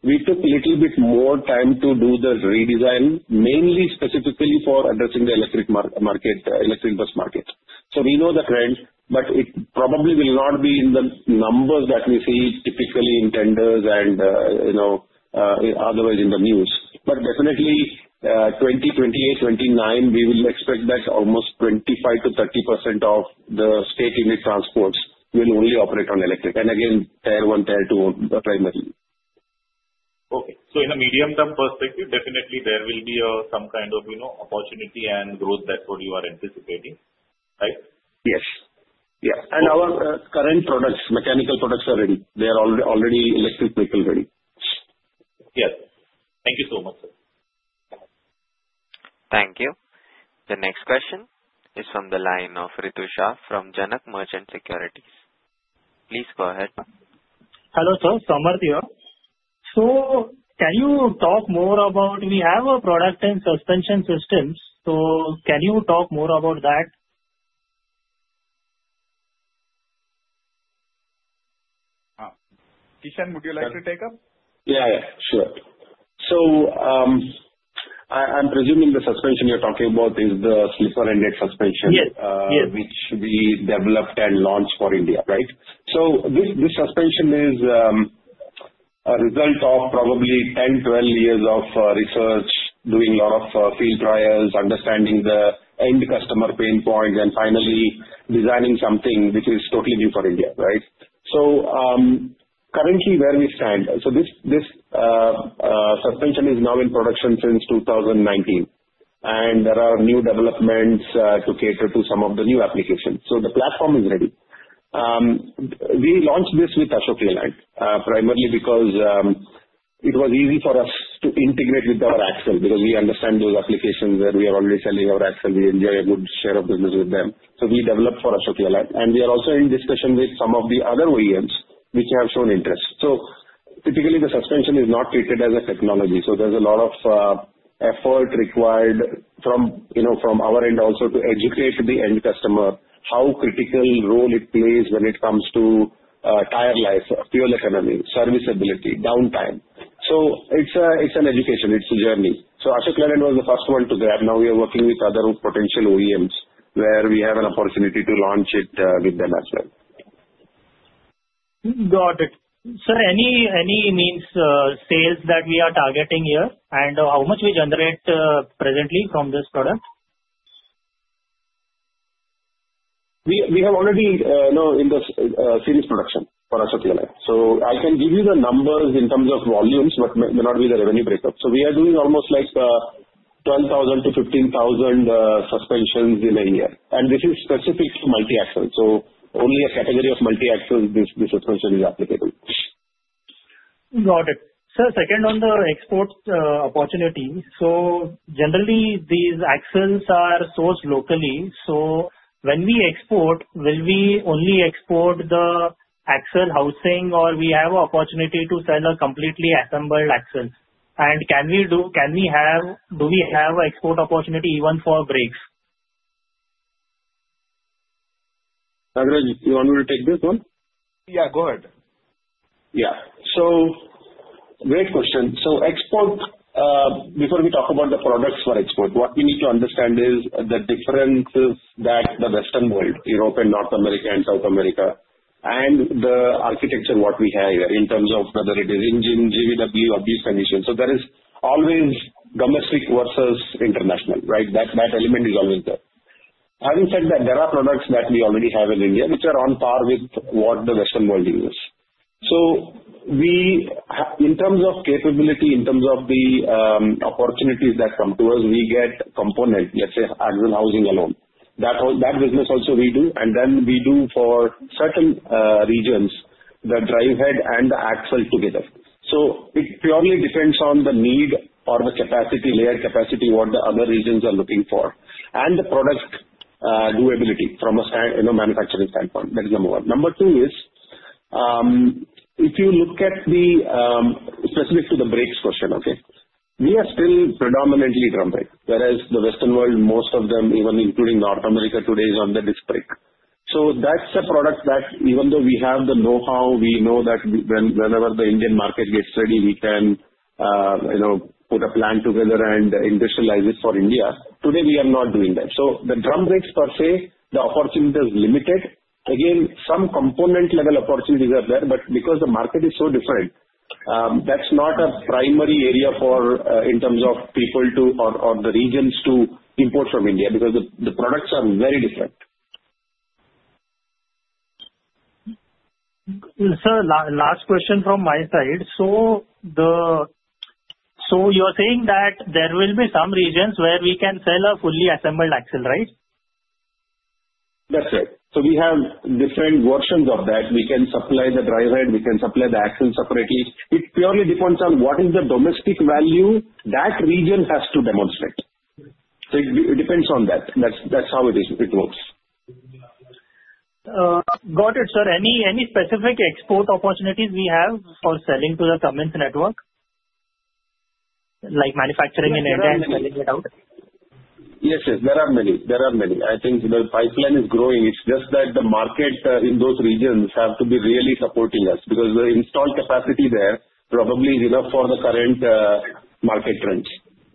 we took a little bit more time to do the redesign, mainly specifically for addressing the electric bus market. So we know the trend, but it probably will not be in the numbers that we see typically in tenders and otherwise in the news. But definitely, 2028-2029, we will expect that almost 25%-30% of the state unit transports will only operate on electric. And again, Tier one, Tier two primarily. Okay. So in a medium-term perspective, definitely there will be some kind of opportunity and growth. That's what you are anticipating, right? Yes. Yeah, and our current products, mechanical products are ready. They are already electric vehicle ready. Yes. Thank you so much, sir. Thank you. The next question is from the line of Ritu Shah from Janak Merchant Securities. Please go ahead. Hello, sir. Samarth here. So can you talk more about we have a product and suspension systems. So can you talk more about that? Kishan, would you like to take up? Yeah. Yeah. Sure. So I'm presuming the suspension you're talking about is the slipper suspension, which we developed and launched for India, right? So this suspension is a result of probably 10, 12 years of research, doing a lot of field trials, understanding the end customer pain points, and finally designing something which is totally new for India, right? So currently, where we stand, so this suspension is now in production since 2019, and there are new developments to cater to some of the new applications, so the platform is ready. We launched this with Ashok Leyland primarily because it was easy for us to integrate with our axle because we understand those applications that we are already selling our axle. We enjoy a good share of business with them, so we developed for Ashok Leyland. And we are also in discussion with some of the other OEMs which have shown interest. So typically, the suspension is not treated as a technology. So there's a lot of effort required from our end also to educate the end customer how critical role it plays when it comes to tire life, fuel economy, serviceability, downtime. So it's an education. It's a journey. So Ashok Leyland was the first one to grab. Now we are working with other potential OEMs where we have an opportunity to launch it with them as well. Got it. Sir, annual sales that we are targeting here and how much we generate presently from this product? We have already in the series production for Ashok Leyland. So I can give you the numbers in terms of volumes, but may not be the revenue breakup. So we are doing almost like 12,000-15,000 suspensions in a year. And this is specific to multi-axle. So only a category of multi-axle, this suspension is applicable. Got it. Sir, second on the export opportunity. So generally, these axles are sourced locally. So when we export, will we only export the axle housing or we have an opportunity to sell a completely assembled axle? And do we have an export opportunity even for brakes? Nagaraja, you want me to take this one? Yeah. Go ahead. Yeah. So great question. So export, before we talk about the products for export, what we need to understand is the differences that the Western world, Europe and North America and South America, and the architecture what we have here in terms of whether it is engine, GVW, or these conditions. So there is always domestic versus international, right? That element is always there. Having said that, there are products that we already have in India which are on par with what the Western world uses. So in terms of capability, in terms of the opportunities that come to us, we get components, let's say axle housing alone. That business also we do, and then we do for certain regions the drive head and the axle together. So it purely depends on the need or the capacity, layered capacity, what the other regions are looking for, and the product doability from a manufacturing standpoint. That is number one. Number two is if you look at the specific to the brakes question, okay, we are still predominantly drum brake, whereas the Western world, most of them, even including North America today, is on the disc brake. So that's a product that even though we have the know-how, we know that whenever the Indian market gets ready, we can put a plan together and industrialize it for India. Today, we are not doing that. So the drum brakes per se, the opportunity is limited. Again, some component-level opportunities are there, but because the market is so different, that's not a primary area in terms of people, too, or the regions to import from India because the products are very different. Sir, last question from my side. So you are saying that there will be some regions where we can sell a fully assembled axle, right? That's right. So we have different versions of that. We can supply the drive head. We can supply the axle separately. It purely depends on what is the domestic value that region has to demonstrate. So it depends on that. That's how it works. Got it, sir. Any specific export opportunities we have for selling to the Cummins network, like manufacturing in India and selling it out? Yes, yes. There are many. There are many. I think the pipeline is growing. It's just that the market in those regions have to be really supporting us because the installed capacity there probably is enough for the current market trends.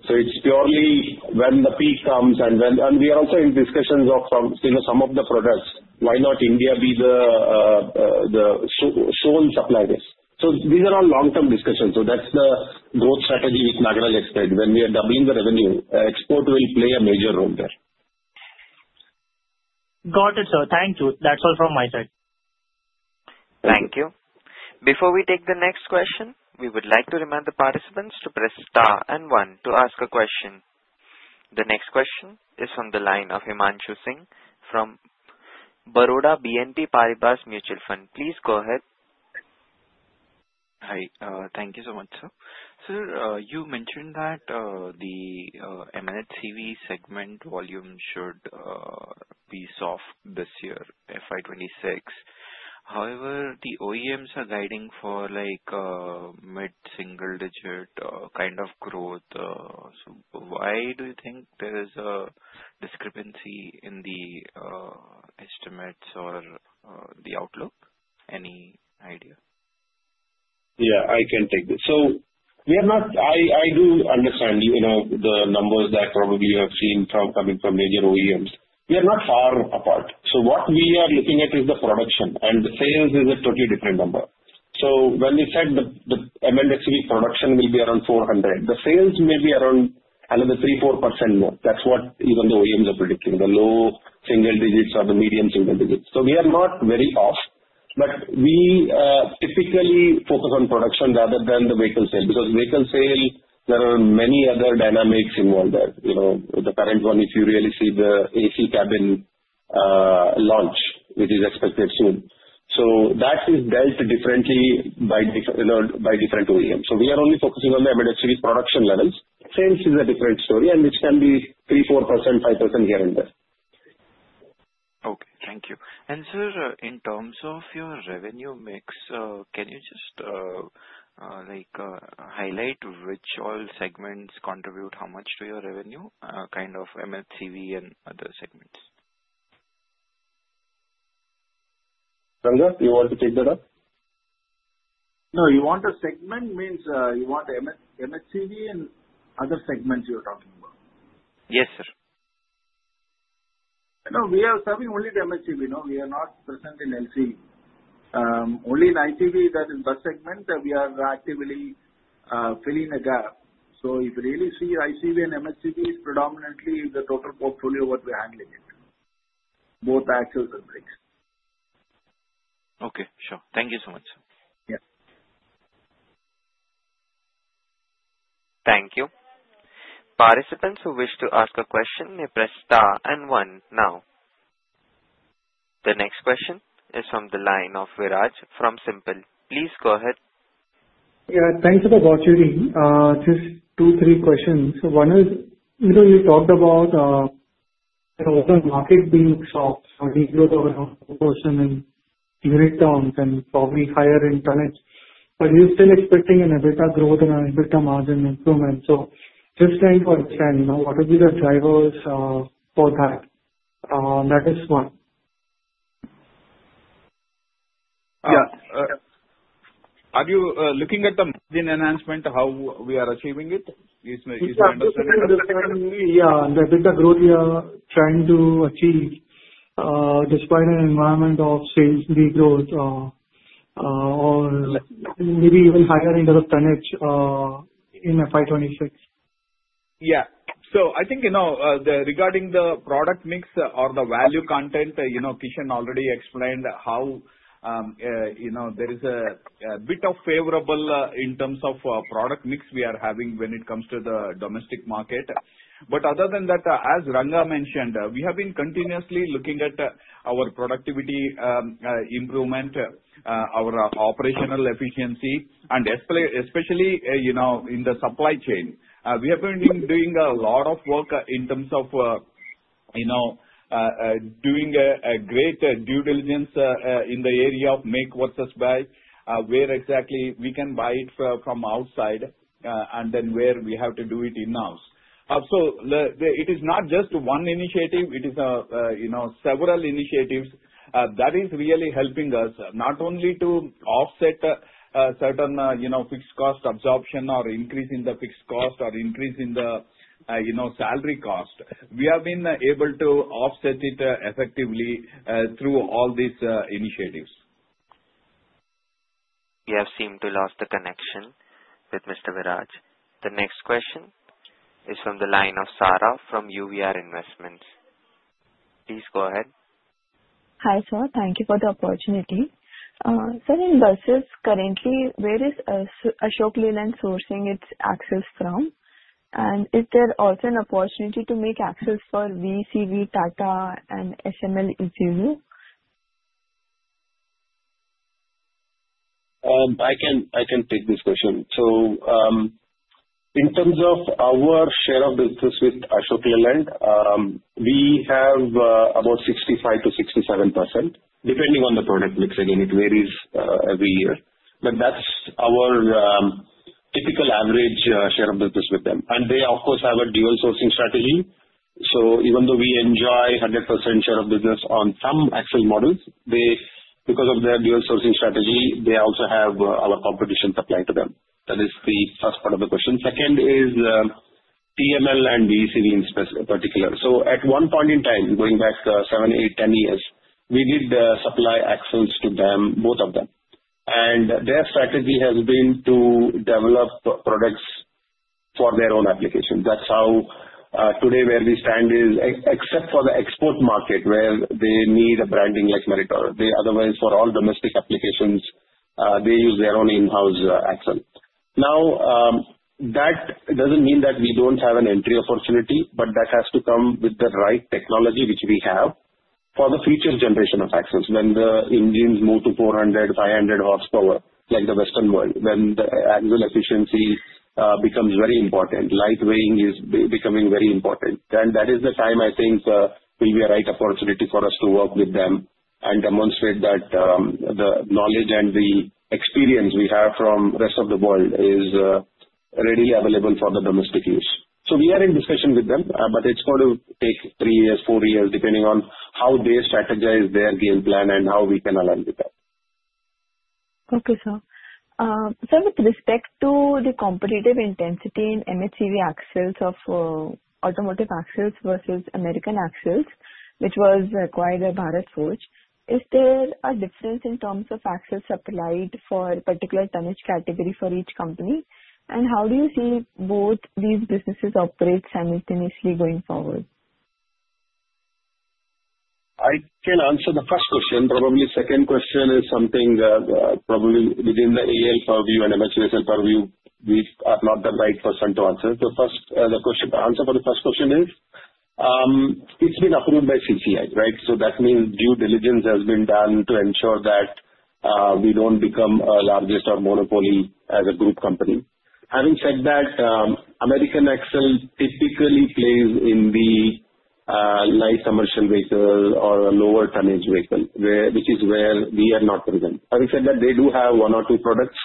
So it's purely when the peak comes and when and we are also in discussions of some of the products. Why not India be the sole supplier? So these are all long-term discussions. So that's the growth strategy which Nagaraj explained. When we are doubling the revenue, export will play a major role there. Got it, sir. Thank you. That's all from my side. Thank you. Before we take the next question, we would like to remind the participants to press star and one to ask a question. The next question is from the line of Himanshu Singh from Baroda BNP Paribas Mutual Fund. Please go ahead. Hi. Thank you so much, sir. Sir, you mentioned that the M&HCV segment volume should be soft this year, FY26. However, the OEMs are guiding for mid-single-digit kind of growth. So why do you think there is a discrepancy in the estimates or the outlook? Any idea? Yeah, I can take this. So I do understand the numbers that probably you have seen coming from major OEMs. We are not far apart. So what we are looking at is the production, and the sales is a totally different number. So when we said the M&HCV production will be around 400, the sales may be around another 3%-4% more. That's what even the OEMs are predicting, the low single digits or the medium single digits. So we are not very off, but we typically focus on production rather than the vehicle sale because vehicle sale, there are many other dynamics involved there. The current one, if you really see the AC cabin launch, which is expected soon. So that is dealt differently by different OEMs. So we are only focusing on the M&HCV production levels. Sales is a different story, and it can be 3%, 4%, 5% here and there. Okay. Thank you, and sir, in terms of your revenue mix, can you just highlight which all segments contribute how much to your revenue, kind of M&HCV and other segments? Nagaraja, you want to take that up? No, you want a segment means you want M&HCV and other segments you're talking about. Yes, sir. No, we are serving only the M&HCV. We are not present in LCV. Only in ICV, that is bus segment that we are actively filling a gap. So if you really see ICV and M&HCV is predominantly the total portfolio what we're handling it, both axles and brakes. Okay. Sure. Thank you so much, sir. Thank you. Participants who wish to ask a question may press star and one now. The next question is from the line of Viraj from SiMPL. Please go ahead. Yeah. Thanks for the opportunity. Just two, three questions. One is you talked about the market being soft, so weak growth overall, poorer in unit terms and probably higher in turnover. But you're still expecting an EBITDA growth and an EBITDA margin improvement, so just trying to understand what would be the drivers for that. That is one. Yeah. Are you looking at the margin enhancement, how we are achieving it? Is it understandable? Yeah. The EBITDA growth we are trying to achieve despite an environment of sales regrowth or maybe even higher in the turnovers in FY26. Yeah. So I think regarding the product mix or the value content, Kishan already explained how there is a bit of favorable in terms of product mix we are having when it comes to the domestic market. But other than that, as Ranga mentioned, we have been continuously looking at our productivity improvement, our operational efficiency, and especially in the supply chain. We have been doing a lot of work in terms of doing a great due diligence in the area of make versus buy, where exactly we can buy it from outside, and then where we have to do it in-house. So it is not just one initiative. It is several initiatives that is really helping us not only to offset certain fixed cost absorption or increase in the fixed cost or increase in the salary cost. We have been able to offset it effectively through all these initiatives. You have seemed to lose the connection with Mr. Viraj. The next question is from the line of Sarah from UVR Investments. Please go ahead. Hi, sir. Thank you for the opportunity. Sir, in buses, currently, where is Ashok Leyland sourcing its axles from? And is there also an opportunity to make axles for VECV, Tata, and SML Isuzu? I can take this question. So in terms of our share of business with Ashok Leyland, we have about 65%-67%, depending on the product mix. Again, it varies every year. But that's our typical average share of business with them. And they, of course, have a dual sourcing strategy. So even though we enjoy 100% share of business on some axle models, because of their dual sourcing strategy, they also have our competition supply to them. That is the first part of the question. Second is TML and VECV in particular. So at one point in time, going back 7, 8, 10 years, we did supply axles to them, both of them. And their strategy has been to develop products for their own applications. That's how today where we stand is except for the export market where they need a branding like Meritor. Otherwise, for all domestic applications, they use their own in-house axle. Now, that doesn't mean that we don't have an entry opportunity, but that has to come with the right technology which we have for the future generation of axles. When the engines move to 400, 500 horsepower, like the Western world, when the axle efficiency becomes very important, lightweighting is becoming very important, and that is the time I think will be a right opportunity for us to work with them and demonstrate that the knowledge and the experience we have from the rest of the world is readily available for the domestic use, so we are in discussion with them, but it's going to take 3 years, 4 years, depending on how they strategize their game plan and how we can align with them. Okay, sir. Sir, with respect to the competitive intensity in M&HCV axles of Automotive Axles versus American Axle, which was acquired by Bharat Forge, is there a difference in terms of axles supplied for a particular tonnage category for each company? And how do you see both these businesses operate simultaneously going forward? I can answer the first question. Probably the second question is something probably within the AAL purview and MHVSIL purview, we are not the right person to answer. So the answer for the first question is it's been approved by CCI, right? So that means due diligence has been done to ensure that we don't become a largest or monopoly as a group company. Having said that, American Axle typically plays in the light commercial vehicle or a lower tonnage vehicle, which is where we are not present. Having said that, they do have one or two products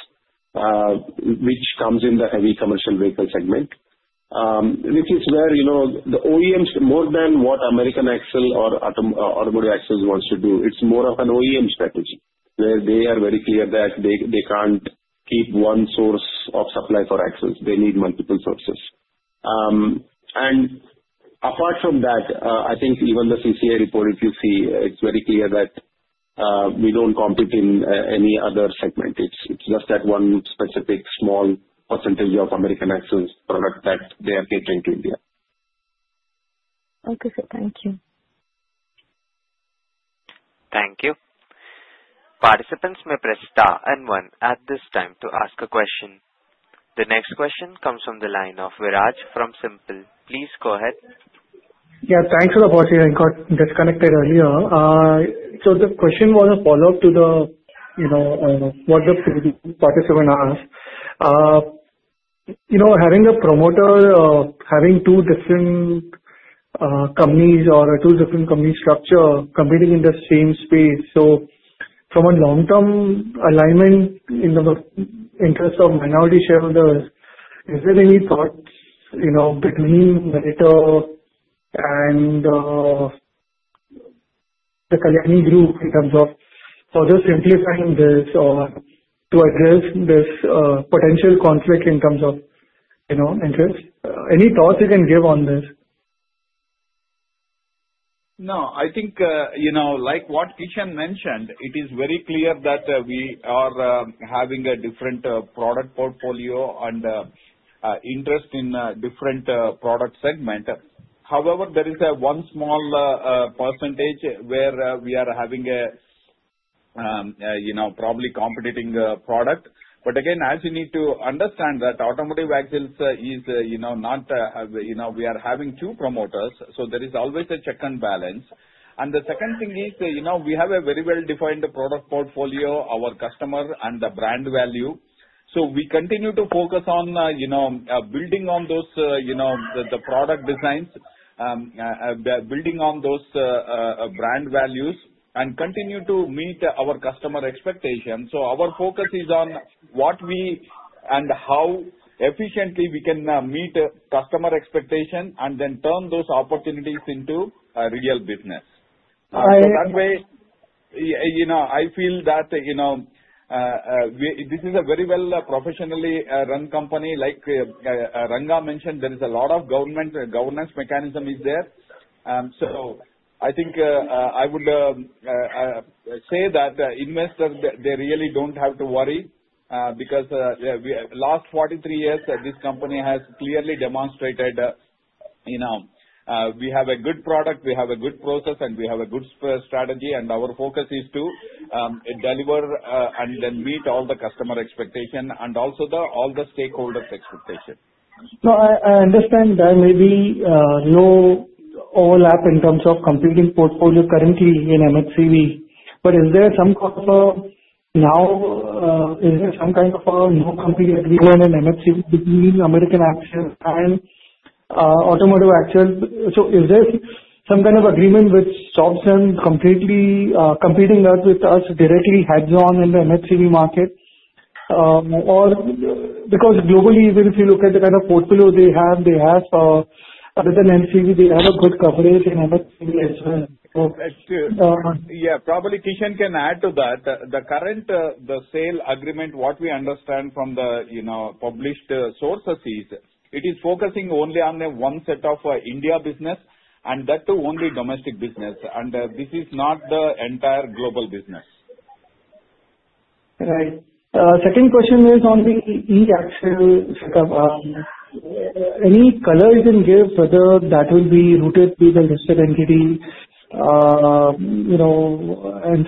which come in the heavy commercial vehicle segment, which is where the OEMs, more than what American Axle or Automotive Axles wants to do, it's more of an OEM strategy where they are very clear that they can't keep one source of supply for axles. They need multiple sources. And apart from that, I think even the CCI report, if you see, it's very clear that we don't compete in any other segment. It's just that one specific small percentage of American Axle's product that they are catering to India. Okay, sir. Thank you. Thank you. Participants may press star and one at this time to ask a question. The next question comes from the line of Viraj from SiMPL. Please go ahead. Yeah. Thanks for the opportunity. I got disconnected earlier. So the question was a follow-up to what the participant asked. Having a promoter, having two different companies or two different company structures competing in the same space, so from a long-term alignment in the interest of minority shareholders, is there any thought between Meritor and the Kalyani Group in terms of further simplifying this or to address this potential conflict in terms of interest? Any thoughts you can give on this? No. I think like what Kishan mentioned, it is very clear that we are having a different product portfolio and interest in different product segments. However, there is one small percentage where we are having probably competing product. But again, as you need to understand that Automotive Axles is not, we are having two promoters, so there is always a check and balance. The second thing is we have a very well-defined product portfolio, our customer, and the brand value. So we continue to focus on building on those product designs, building on those brand values, and continue to meet our customer expectations. So our focus is on what we and how efficiently we can meet customer expectations and then turn those opportunities into a real business. So that way, I feel that this is a very well professionally run company. Like Ranga mentioned, there is a lot of governance mechanisms there. So I think I would say that investors, they really don't have to worry because last 43 years, this company has clearly demonstrated we have a good product, we have a good process, and we have a good strategy. And our focus is to deliver and then meet all the customer expectations and also all the stakeholders' expectations. I understand there may be no overlap in terms of competing portfolio currently in M&HCV. But is there some kind of a non-compete agreement in M&HCV between American Axle and Automotive Axles? So is there some kind of agreement which stops them completely competing with us directly hands-on in the M&HCV market? Because globally, even if you look at the kind of portfolio they have, they have other than M&HCV, they have a good coverage in M&HCV as well. Yeah. Probably Kishan can add to that. The current sale agreement, what we understand from the published sources, is it is focusing only on one set of India business and that too only domestic business. And this is not the entire global business. Right. Second question is on the e-Axle setup. Any colors you can give whether that would be rooted with a listed entity and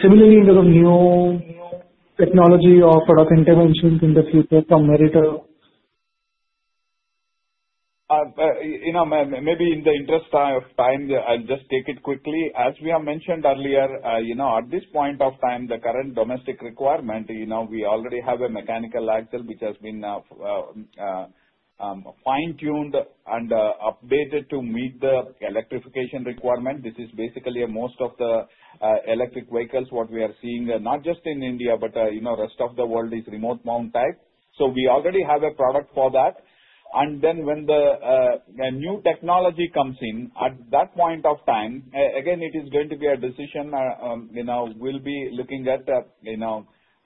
similarly into the new technology or product interventions in the future from Meritor? Maybe in the interest of time, I'll just take it quickly. As we have mentioned earlier, at this point of time, the current domestic requirement, we already have a mechanical axle which has been fine-tuned and updated to meet the electrification requirement. This is basically most of the electric vehicles what we are seeing, not just in India, but rest of the world is remote-mount type. So we already have a product for that. And then when the new technology comes in, at that point of time, again, it is going to be a decision. We'll be looking at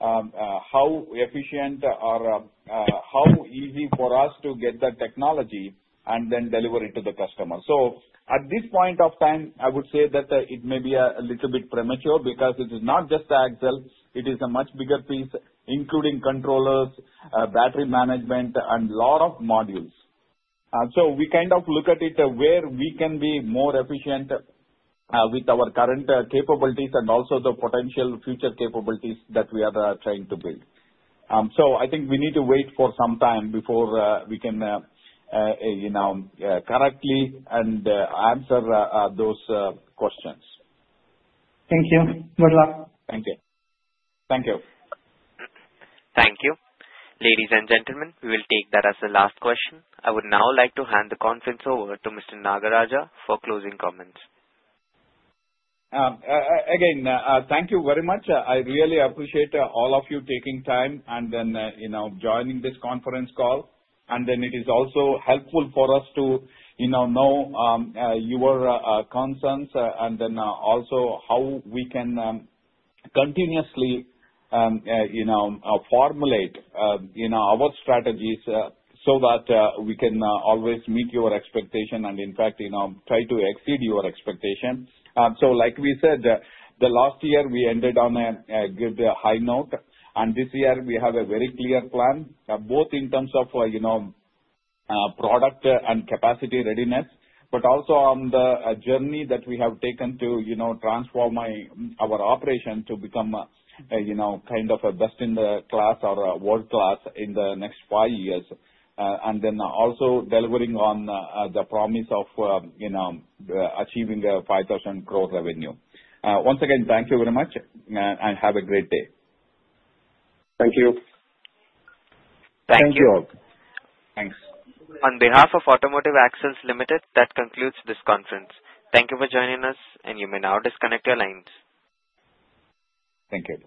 how efficient or how easy for us to get the technology and then deliver it to the customer. So at this point of time, I would say that it may be a little bit premature because it is not just the axle. It is a much bigger piece, including controllers, battery management, and a lot of modules. So we kind of look at it where we can be more efficient with our current capabilities and also the potential future capabilities that we are trying to build. So I think we need to wait for some time before we can correctly answer those questions. Thank you. Good luck. Thank you. Thank you. Thank you. Ladies and gentlemen, we will take that as the last question. I would now like to hand the conference over to Mr. Nagaraja for closing comments. Again, thank you very much. I really appreciate all of you taking time and then joining this conference call. And then it is also helpful for us to know your concerns and then also how we can continuously formulate our strategies so that we can always meet your expectation and, in fact, try to exceed your expectation. So like we said, the last year, we ended on a good high note. And this year, we have a very clear plan, both in terms of product and capacity readiness, but also on the journey that we have taken to transform our operation to become kind of a best in the class or world class in the next five years, and then also delivering on the promise of achieving 5,000 crore revenue. Once again, thank you very much, and have a great day. Thank you. Thank you. Thanks. On behalf of Automotive Axles Limited, that concludes this conference. Thank you for joining us, and you may now disconnect your lines. Thank you.